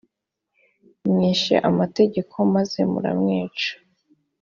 mwishe amategeko maze muramwica